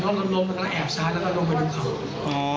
น้องล้มตรงนั้นแอบซ้ายแล้วเราลองไปดูเขา